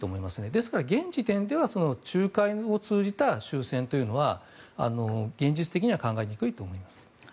ですから現時点では仲介を通じた終戦というのは現実的には考えにくいと思います。